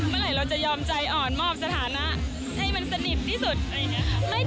เมื่อไหร่เราจะยอมใจอ่อนมอบสถานะให้มันสนิทที่สุดอะไรอย่างนี้ค่ะ